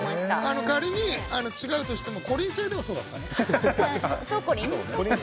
仮に違うとしてもこりん星ではそうだったよね。